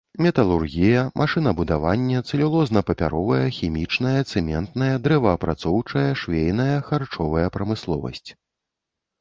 Металургія, машынабудаванне, цэлюлозна-папяровая, хімічная, цэментная, дрэваапрацоўчая, швейная, харчовая прамысловасць.